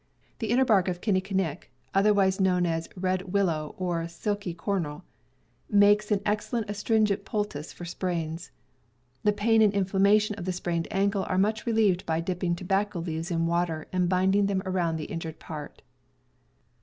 The inner bark of kinni kinick, otherwise known as red willow or silky cornel, makes an excellent astringent poultice for sprains. The pain and inflammation of a sprained ankle are much relieved by dipping tobacco leaves in water and bind ing them around the injured part.